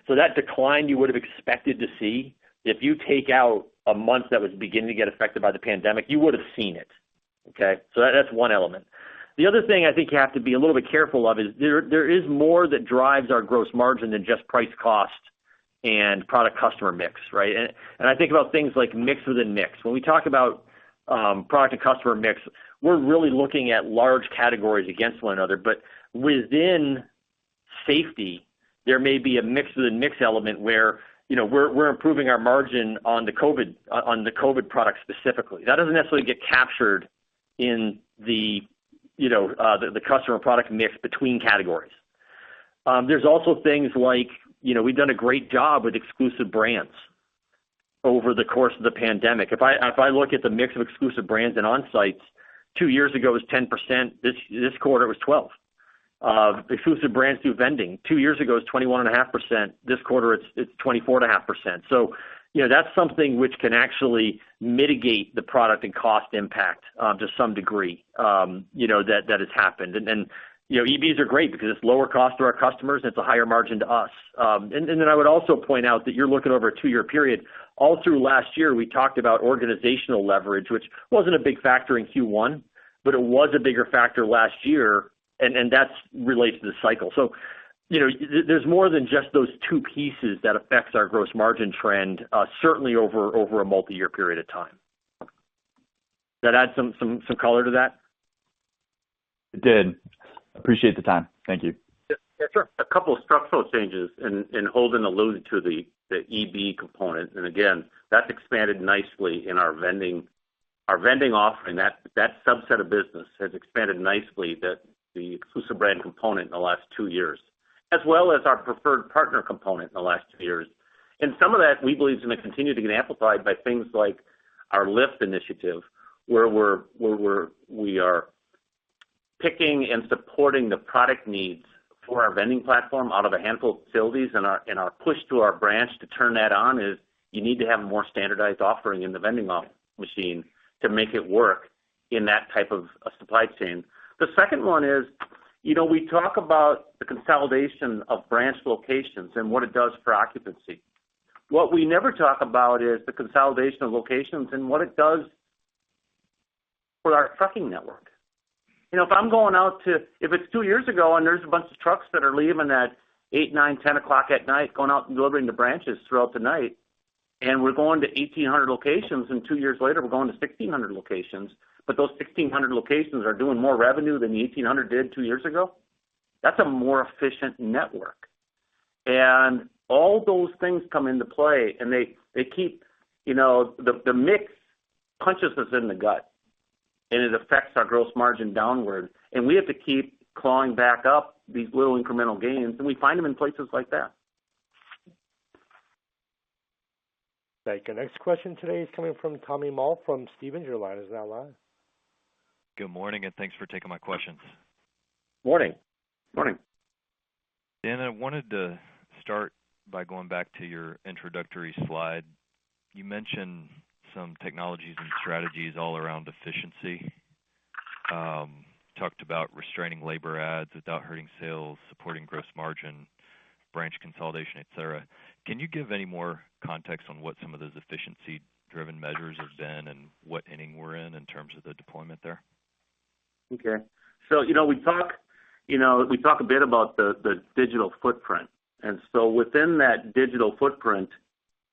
That decline you would have expected to see if you take out a month that was beginning to get affected by the pandemic, you would have seen it. Okay, that's one element. The other thing I think you have to be a little bit careful of is there is more that drives our gross margin than just price cost and product customer mix, right? I think about things like mix within mix. When we talk about product and customer mix, we're really looking at large categories against one another but within safety, there may be a mix within mix element where you know we're improving our margin on the COVID product specifically. That doesn't necessarily get captured in the you know the customer product mix between categories. There's also things like you know we've done a great job with exclusive brands over the course of the pandemic. If I look at the mix of exclusive brands and Onsite, 2 years ago, it was 10%, this quarter it was 12%. Exclusive brands through vending, 2 years ago, it was 21.5%, this quarter it's 24.5%. You know, that's something which can actually mitigate the product and cost impact, to some degree, you know, that has happened you know, EBs are great because it's lower cost to our customers, and it's a higher margin to us. Then I would also point out that you're looking over a two-year period. All through last year, we talked about organizational leverage, which wasn't a big factor in Q1, but it was a bigger factor last year, and that's related to the cycle, you know, there's more than just those 2 pieces that affects our gross margin trend, certainly over a multi-year period of time. Does that add some color to that? It did. I appreciate the time. Thank you. Yeah, sure. A couple of structural changes and Holden alluded to the EB component. Again, that's expanded nicely in our vending. Our vending offering, that subset of business has expanded nicely, that the exclusive brand component in the last 2 years, as well as our preferred partner component in the last 2 years. Some of that we believe is gonna continue to get amplified by things like our LIFT initiative, where we are picking and supporting the product needs for our vending platform out of a handful of facilities and our push to our branch to turn that on is you need to have a more standardized offering in the vending machine to make it work in that type of a supply chain. The second one is, you know, we talk about the consolidation of branch locations and what it does for occupancy. What we never talk about is the consolidation of locations and what it does for our trucking network. You know, if it's 2 years ago and there's a bunch of trucks that are leaving at 8, 9, 10 o'clock at night, going out and delivering to branches throughout the night and we're going to 1,800 locations and 2 years later we're going to 1,600 locations, but those 1,600 locations are doing more revenue than the 1,800 did 2 years ago, that's a more efficient network. All those things come into play, and they keep, you know. The mix punches us in the gut, and it affects our gross margin downward, and we have to keep clawing back up these little incremental gains, and we find them in places like that. Thank you. Next question today is coming from Tommy Moll from Stephens. Your line is now live. Good morning and thanks for taking my questions. Morning. Morning. Dan, I wanted to start by going back to your introductory slide. You mentioned some technologies and strategies all around efficiency, talked about restraining labor adds without hurting sales, supporting gross margin, branch consolidation, et cetera. Can you give any more context on what some of those efficiency-driven measures have been and what inning we're in terms of the deployment there? Okay. You know, we talk a bit about the digital footprint. Within that digital footprint,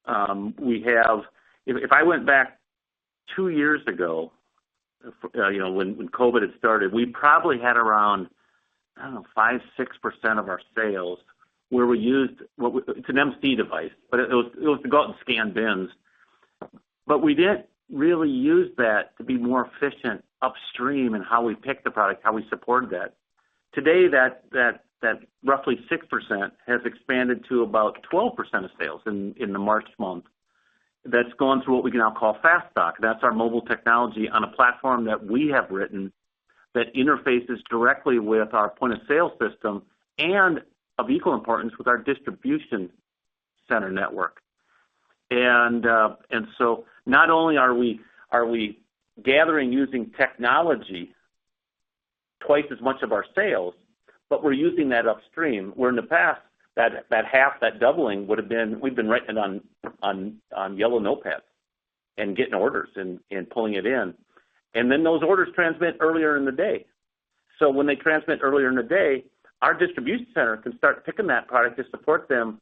if I went back two years ago, you know, when COVID had started, we probably had around, I don't know, 5%-6% of our sales where we used. It's an MC device, but it was to go out and scan bins. But we didn't really use that to be more efficient upstream in how we picked the product, how we supported that. Today, that roughly 6% has expanded to about 12% of sales in the March month. That's gone through what we now call FASTStock. That's our mobile technology on a platform that we have written that interfaces directly with our point-of-sale system and of equal importance, with our distribution center network. Not only are we gathering using technology twice as much of our sales, but we're using that upstream, where in the past, that half, that doubling would've been written on yellow notepads and getting orders and pulling it in. Those orders transmit earlier in the day. When they transmit earlier in the day, our distribution center can start picking that product to support them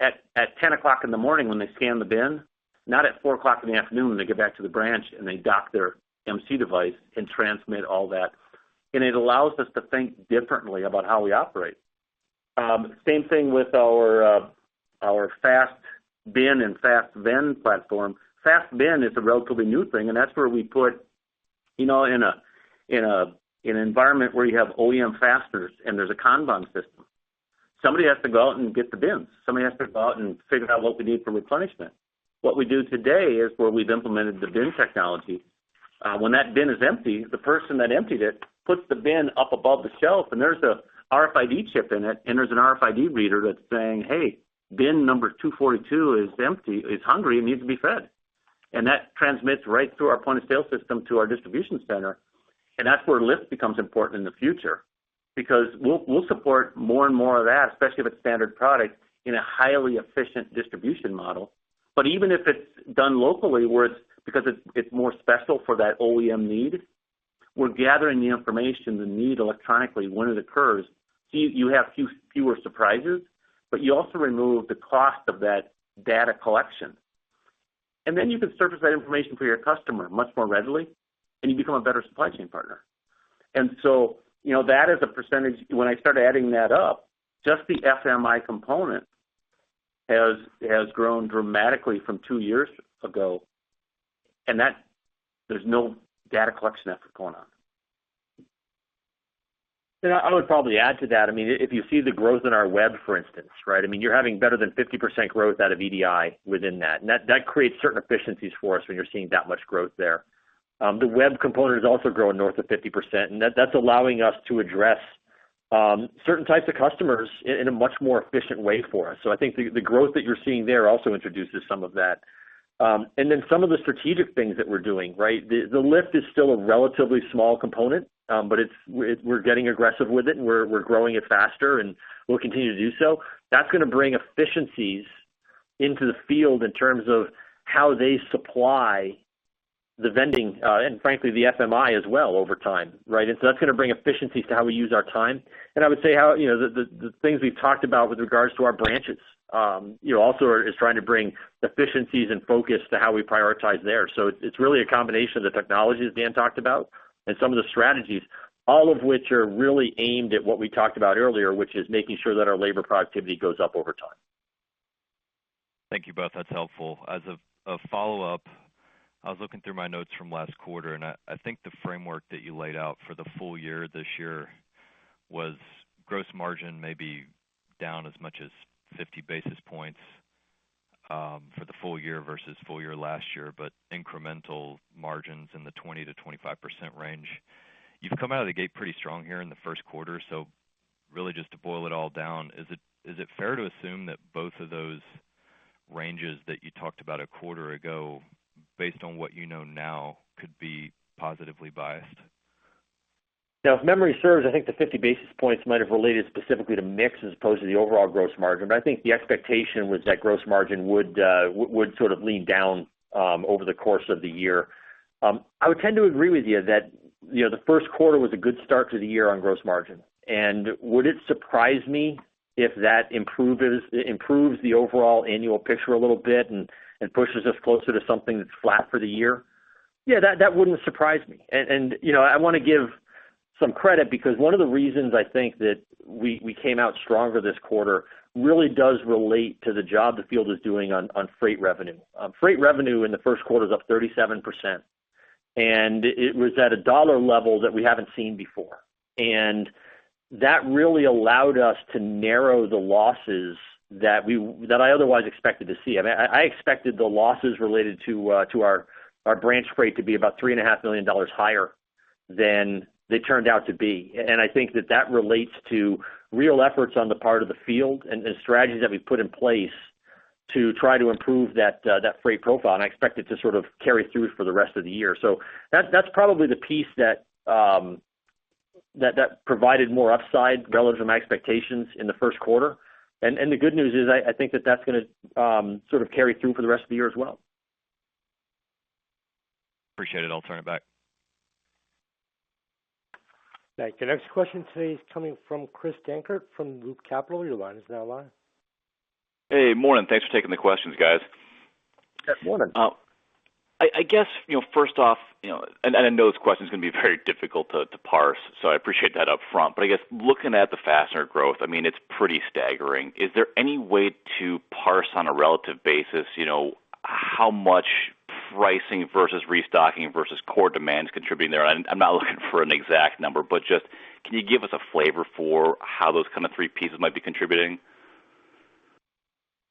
at 10:00 A.M. when they scan the bin, not at 4:00 P.M. when they get back to the branch and they dock their MC device and transmit all that. It allows us to think differently about how we operate. Same thing with our FASTBin and FASTVend platform. FASTBin is a relatively new thing, and that's where we put, you know, in an environment where you have OEM fasteners and there's a Kanban system. Somebody has to go out and get the bins. Somebody has to go out and figure out what we need for replenishment. What we do today is where we've implemented the bin technology. When that bin is empty, the person that emptied it puts the bin up above the shelf and there's an RFID chip in it, and there's an RFID reader that's saying, "Hey, bin number 242 is empty, it's hungry, it needs to be fed." That transmits right through our point-of-sale system to our distribution center. That's where LIFT becomes important in the future, because we'll support more and more of that, especially if it's standard product in a highly efficient distribution model but even if it's done locally, where it's more special for that OEM need, we're gathering the information, the need electronically when it occurs. You have fewer surprises, but you also remove the cost of that data collection. Then you can surface that information for your customer much more readily, and you become a better supply chain partner. And so, you know, that is a percentage when I start adding that up, just the FMI component has grown dramatically from 2 years ago and that there's no data collection effort going on. Yeah, I would probably add to that. I mean, if you see the growth in our web, for instance, right? I mean, you're having better than 50% growth out of EDI within that. That creates certain efficiencies for us when you're seeing that much growth there. The web component is also growing north of 50%, and that's allowing us to address certain types of customers in a much more efficient way for us. I think the growth that you're seeing there also introduces some of that. Some of the strategic things that we're doing, right? The LIFT is still a relatively small component, but we're getting aggressive with it and we're growing it faster and we'll continue to do so. That's gonna bring efficiencies into the field in terms of how they supply the vending and frankly, the FMI as well over time, right? That's gonna bring efficiencies to how we use our time. I would say how, you know, the things we've talked about with regards to our branches also is trying to bring efficiencies and focus to how we prioritize there. It's really a combination of the technologies Dan talked about and some of the strategies, all of which are really aimed at what we talked about earlier, which is making sure that our labor productivity goes up over time. Thank you both. That's helpful. As a follow-up, I was looking through my notes from last quarter and I think the framework that you laid out for the full year this year was gross margin may be down as much as 50 basis points for the full year versus full year last year, but incremental margins in the 20%-25% range. You've come out of the gate pretty strong here in the Q1. Really just to boil it all down, is it fair to assume that both of those ranges that you talked about a quarter ago based on what you know now could be positively biased? Now, if memory serves, I think the 50 basis points might have related specifically to mix as opposed to the overall gross margin. I think the expectation was that gross margin would sort of lean down over the course of the year. I would tend to agree with you that, you know, the Q1 was a good start to the year on gross margin. Would it surprise me if that improves the overall annual picture a little bit and pushes us closer to something that's flat for the year? Yeah, that wouldn't surprise me. You know, I wanna give some credit because one of the reasons I think that we came out stronger this quarter really does relate to the job the field is doing on freight revenue. Freight revenue in the Q1 is up 37% and it was at a dollar level that we haven't seen before. That really allowed us to narrow the losses that I otherwise expected to see. I mean, I expected the losses related to our branch freight to be about $3.5 million higher than they turned out to be. I think that relates to real efforts on the part of the field and strategies that we've put in place to try to improve that freight profile. I expect it to sort of carry through for the rest of the year so that's probably the piece that provided more upside relative to my expectations in the Q1 and the good news is I think that that's gonna sort of carry through for the rest of the year as well. Appreciate it. I'll turn it back. Thank you. Next question today is coming from Chris Dankert from Loop Capital. Your line is now live. Hey, morning. Thanks for taking the questions, guys. Yeah, morning. I guess, you know, first off, you know, I know this question is gonna be very difficult to parse, so I appreciate that upfront. I guess looking at the fastener growth, I mean, it's pretty staggering. Is there any way to parse on a relative basis, you know, how much pricing versus restocking versus core demand is contributing there? I'm not looking for an exact number, but just can you give us a flavor for how those kind of three pieces might be contributing?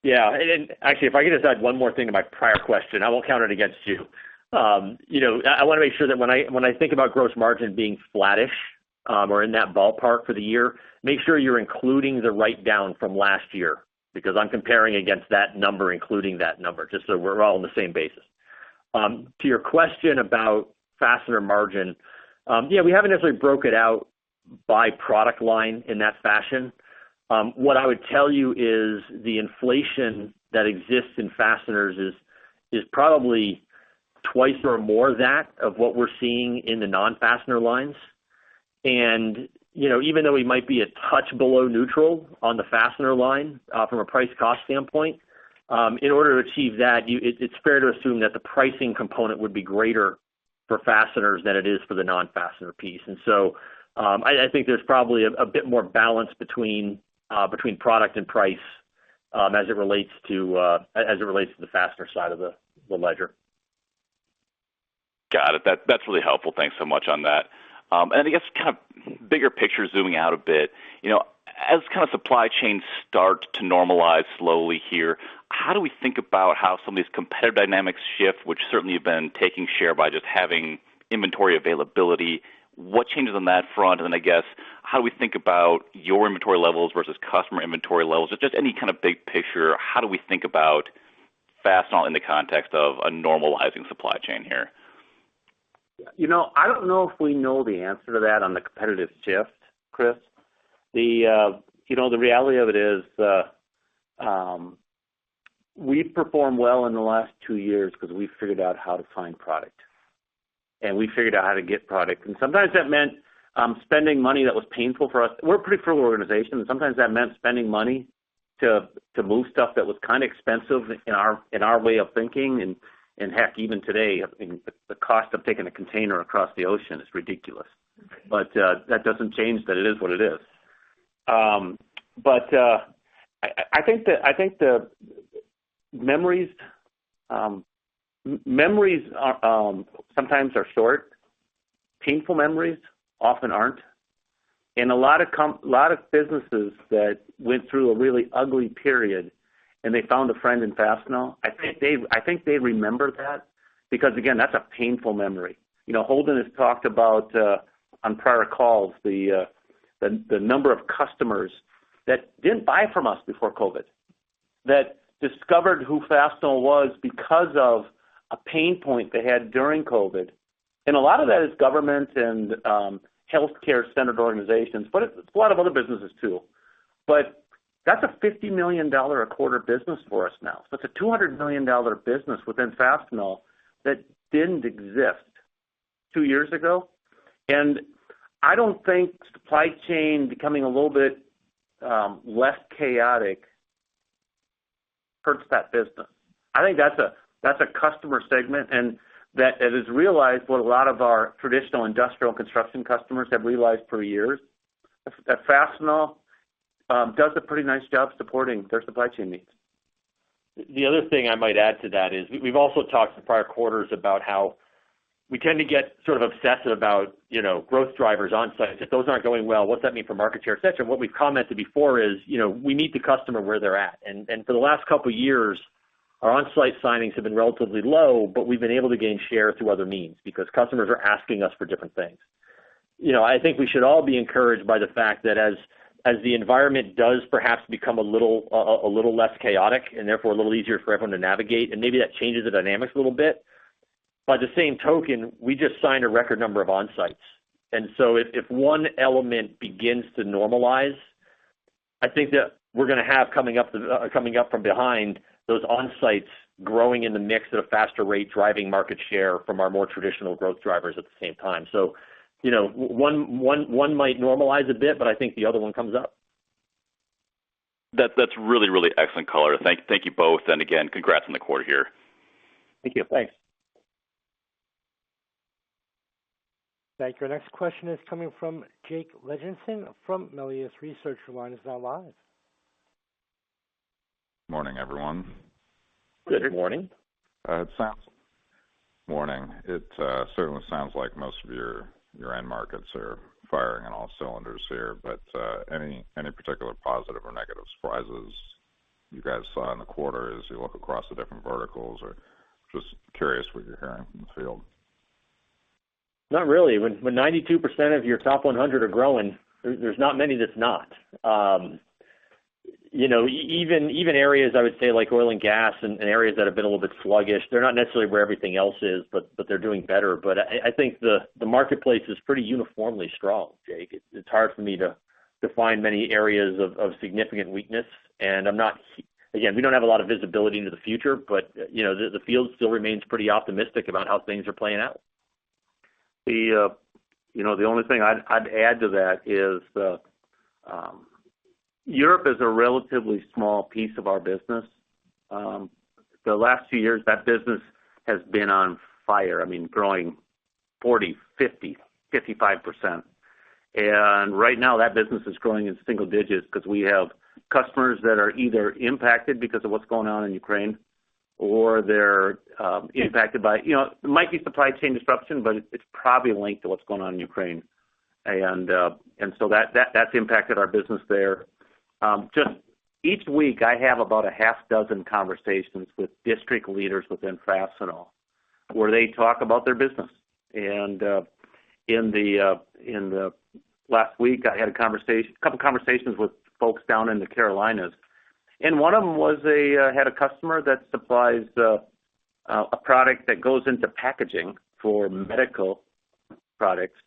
Actually, if I could just add one more thing to my prior question, I won't count it against you. You know, I wanna make sure that when I think about gross margin being flattish or in that ballpark for the year, make sure you're including the write-down from last year because I'm comparing against that number, just so we're all on the same basis. To your question about fasteners margin, yeah, we haven't necessarily broken it out by product line in that fashion. What I would tell you is the inflation that exists in fasteners is probably twice or more that of what we're seeing in the non-fasteners lines. And, you know, even though we might be a touch below neutral on the fastener line, from a price cost standpoint, in order to achieve that, it's fair to assume that the pricing component would be greater for fasteners than it is for the non-fastener piece and soI think there's probably a bit more balance between product and price, as it relates to the fastener side of the ledger. Got it. That's really helpful. Thanks so much for that. I guess kind of bigger picture zooming out a bit, you know, as kind of supply chain starts to normalize slowly here, how do we think about how some of these competitive dynamics shift, which certainly you've been taking share by just having inventory availability? What changes on that front? Then I guess, how do we think about your inventory levels versus customer inventory levels? Or just any kind of big picture, how do we think about Fastenal in the context of a normalizing supply chain here. You know, I don't know if we know the answer to that on the competitive shift, Chris. You know, the reality of it is, we've performed well in the last 2 years because we figured out how to find product and we figured out how to get product. Sometimes that meant spending money that was painful for us. We're a pretty frugal organization, and sometimes that meant spending money to move stuff that was kinda expensive in our way of thinking and heck, even today, I mean, the cost of taking a container across the ocean is ridiculous. That doesn't change that it is what it is. I think the memories are sometimes short, painful memories often aren't. A lot of businesses that went through a really ugly period and they found a friend in Fastenal. I think they remember that because again, that's a painful memory, you know, Holden has talked about on prior calls, the number of customers that didn't buy from us before COVID, that discovered who Fastenal was because of a pain point they had during COVID. A lot of that is government and healthcare-centered organizations, but it's a lot of other businesses too but that's a $50 million a quarter business for us now. It's a $200 million business within Fastenal that didn't exist 2 years ago. I don't think supply chain becoming a little bit less chaotic hurts that business. I think that's a customer segment and that it has realized what a lot of our traditional industrial construction customers have realized for years. That Fastenal does a pretty nice job supporting their supply chain needs. The other thing I might add to that is we've also talked in prior quarters about how we tend to get sort of obsessive about, you know, growth drivers Onsite. If those aren't going well, what's that mean for market share, et cetera? What we've commented before is, you know, we meet the customer where they're at. For the last couple of years, our Onsite signings have been relatively low, but we've been able to gain share through other means because customers are asking us for different things. You know, I think we should all be encouraged by the fact that as the environment does perhaps become a little a little less chaotic and therefore a little easier for everyone to navigate and maybe that changes the dynamics a little bit. By the same token, we just signed a record number of Onsites. If one element begins to normalize, I think that we're gonna have coming up from behind those Onsite growing in the mix at a faster rate, driving market share from our more traditional growth drivers at the same time so, you know, one might normalize a bit, but I think the other one comes up. That's really excellent color. Thank you both. Again, congrats on the quarter here. Thank you. Thanks. Thank you. Our next question is coming from Jake Levinson from Melius Research. Your line is now live. Morning, everyone. Good morning. Morning. Morning. It certainly sounds like most of your end markets are firing on all cylinders here, but any particular positive or negative surprises you guys saw in the quarter as you look across the different verticals? Or just curious what you're hearing from the field. Not really. When 92% of your top 100 are growing, there's not many that's not. You know, even areas, I would say, like oil and gas and areas that have been a little bit sluggish, they're not necessarily where everything else is, but they're doing better. But I think the marketplace is pretty uniformly strong, Jake. It's hard for me to find many areas of significant weakness. I'm not, again, we don't have a lot of visibility into the future, but you know, the field still remains pretty optimistic about how things are playing out. You know, the only thing I'd add to that is Europe is a relatively small piece of our business. The last few years, that business has been on fire. I mean, growing 40%, 50%, 55%. Right now, that business is growing in single digits because we have customers that are either impacted because of what's going on in Ukraine or they're impacted by, you know, it might be supply chain disruption, but it's probably linked to what's going on in Ukraine. So that's impacted our business there. Just each week, I have about a half dozen conversations with district leaders within Fastenal where they talk about their business. In the last week, I had a couple conversations with folks down in the Carolinas. One of them had a customer that supplies a product that goes into packaging for medical products,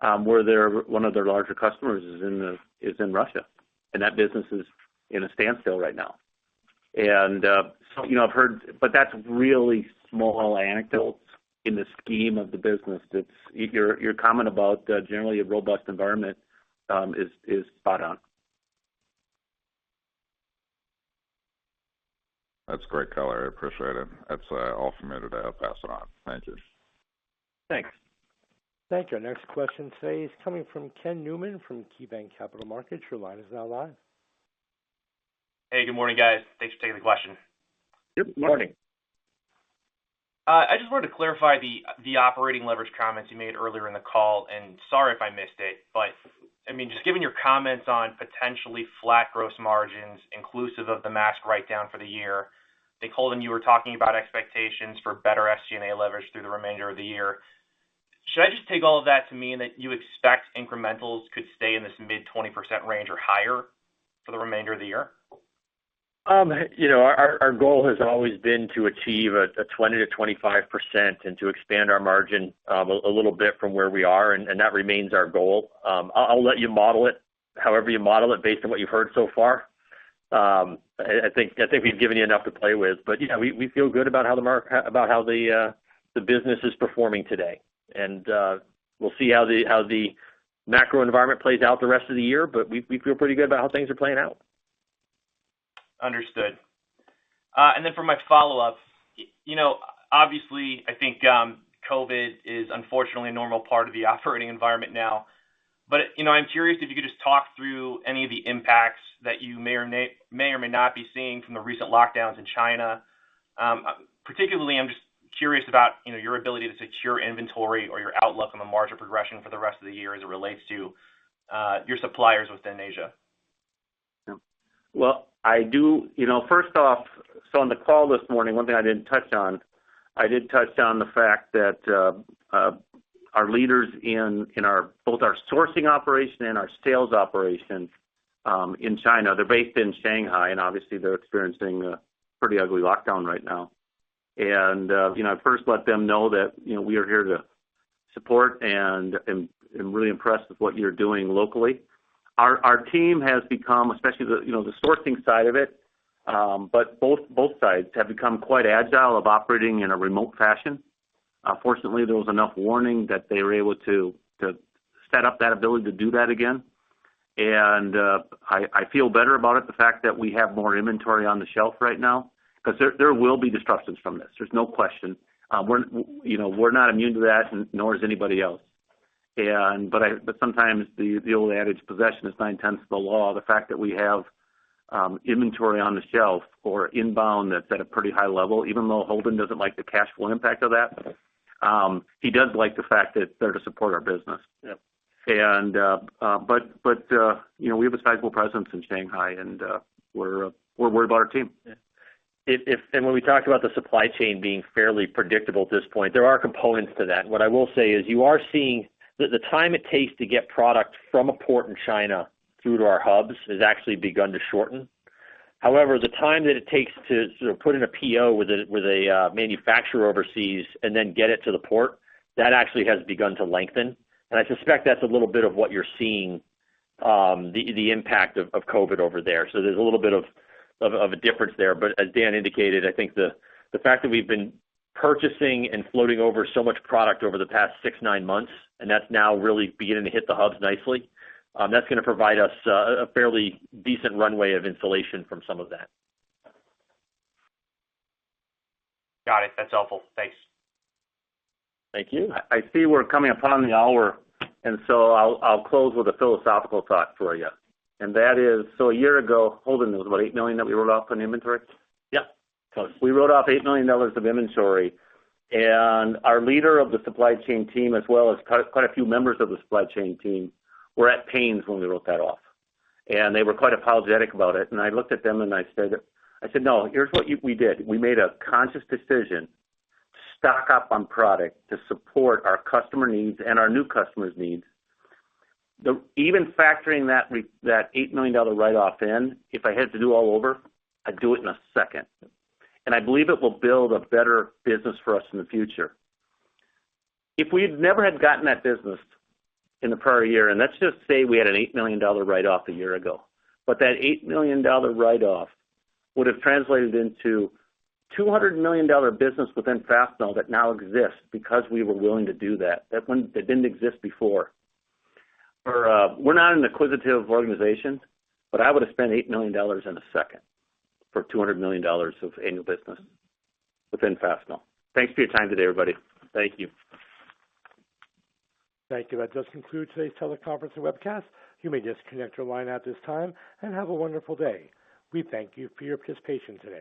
where one of their larger customers is in Russia and that business is in a standstill right now and, you know, that's really small anecdotes in the scheme of the business. Your comment about generally a robust environment is spot on. That's great color. I appreciate it. That's all for me today. I'll pass it on. Thank you. Thanks. Thank you. Our next question today is coming from Ken Newman from KeyBanc Capital Markets. Your line is now live. Hey, good morning, guys. Thanks for taking the question. Good morning. I just wanted to clarify the operating leverage comments you made earlier in the call and sorry if I missed it, but, I mean, just given your comments on potentially flat gross margins inclusive of the mask write-down for the year. I think, Holden, you were talking about expectations for better SG&A leverage through the remainder of the year. Should I just take all of that to mean that you expect incrementals could stay in this mid-20% range or higher for the remainder of the year? You know, our goal has always been to achieve a 20%-25% and to expand our margin a little bit from where we are and that remains our goal. I'll let you model it however you model it based on what you've heard so far. I think we've given you enough to play with but, you know, we feel good about how the business is performing today. We'll see how the macro environment plays out the rest of the year, but we feel pretty good about how things are playing out. Understood and for my follow-up, you know, obviously, I think, COVID is unfortunately a normal part of the operating environment now. You know, I'm curious if you could just talk through any of the impacts that you may or may not be seeing from the recent lockdowns in China. Particularly, I'm just curious about, you know, your ability to secure inventory or your outlook on the margin progression for the rest of the year as it relates to your suppliers within Asia. You know, first off, on the call this morning, one thing I didn't touch on. I did touch on the fact that our leaders in both our sourcing operation and our sales operation in China, they're based in Shanghai and obviously they're experiencing a pretty ugly lockdown right now. I first let them know that, you know, we are here to support and really impressed with what you're doing locally. Our team has become, especially the, you know, the sourcing side of it, but both sides have become quite agile of operating in a remote fashion. Fortunately, there was enough warning that they were able to set up that ability to do that again. I feel better about it, the fact that we have more inventory on the shelf right now, 'cause there will be disruptions from this. There's no question. We're, you know, we're not immune to that and nor is anybody else. Sometimes the old adage, possession is 9/10 of the law. The fact that we have inventory on the shelf or inbound that's at a pretty high level, even though Holden doesn't like the cash flow impact of that, he does like the fact that they're there to support our business. Yeah, and, but, you know, we have a sizable presence in Shanghai and we're worried about our team. Yeah. When we talked about the supply chain being fairly predictable at this point, there are components to that, what I will say is you are seeing the time it takes to get product from a port in China through to our hubs has actually begun to shorten. However, the time that it takes to sort of put in a PO with a manufacturer overseas and then get it to the port, that actually has begun to lengthen. I suspect that's a little bit of what you're seeing, the impact of COVID over there. There's a little bit of a difference there. As Dan indicated, I think the fact that we've been purchasing and floating over so much product over the past 6-9 months and that's now really beginning to hit the hubs nicely, that's gonna provide us a fairly decent runway of insulation from some of that. Got it. That's helpful. Thanks. Thank you. I see we're coming up on the hour and so I'll close with a philosophical thought for you. That is, so a year ago, Holden, it was about $8 million that we wrote off on inventory? Yep. Close. We wrote off $8 million of inventory and our leader of the supply chain team as well as quite a few members of the supply chain team were at pains when we wrote that off. They were quite apologetic about it. I looked at them and I said, "No, here's what we did. We made a conscious decision to stock up on product to support our customer needs and our new customers' needs. Even factoring that $8 million write-off in, if I had to do all over, I'd do it in a second. I believe it will build a better business for us in the future. If we'd never had gotten that business in the prior year and let's just say we had an $8 million write-off a year ago, but that $8 million write-off would have translated into $200 million business within Fastenal that now exists because we were willing to do that didn't exist before. We're not an acquisitive organization, but I would have spent $8 million in a second for $200 million of annual business within Fastenal. Thanks for your time today, everybody. Thank you. Thank you. That does conclude today's teleconference and Webcast. You may disconnect your line at this time, and have a wonderful day. We thank you for your participation today.